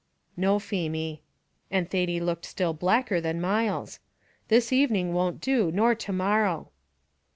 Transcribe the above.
"No, Feemy," and Thady looked still blacker than Myles; "this evening won't do, nor to morrow."